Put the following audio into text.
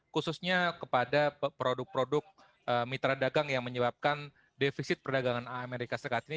khususnya kepada produk produk mitra dagang yang menyebabkan defisit perdagangan amerika serikat ini